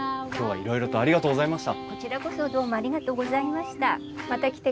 いろいろありがとうございました。